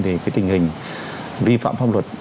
thì cái tình hình vi phạm pháp luật